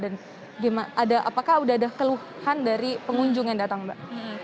dan apakah sudah ada keluhan dari pengunjung yang datang mbak